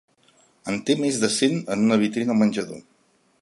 En té més de cent en una vitrina al menjador.